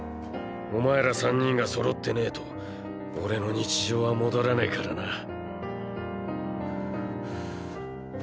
お前ら３人がそろってねぇと俺の日常は戻らねぇからな。